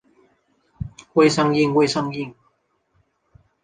未上映未上映